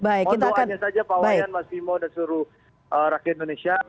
mohon doanya saja pak wayan mas bimo dan seluruh rakyat indonesia